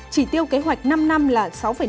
chỉ tiêu kế hoạch năm năm là sáu năm